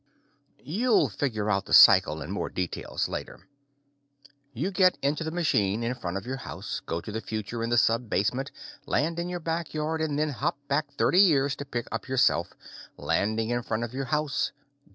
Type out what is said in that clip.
You'll figure out the cycle in more details later. You get into the machine in front of your house, go to the future in the sub basement, land in your back yard, and then hop back thirty years to pick up yourself, landing in front of your house.